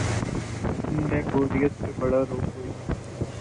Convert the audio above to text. ان میں بوریت سے بڑا روگ کوئی نہیں۔